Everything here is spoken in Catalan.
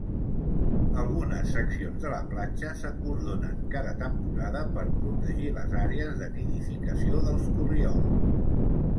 Algunes seccions de la platja s'acordonen cada temporada per protegir les àrees de nidificació dels corriols.